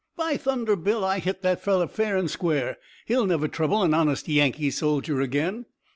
"By thunder, Bill, I hit that fellow, fair and square! He'll never trouble an honest Yankee soldier again!"